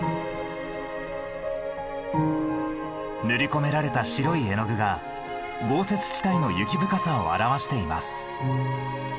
塗り込められた白い絵の具が豪雪地帯の雪深さを表しています。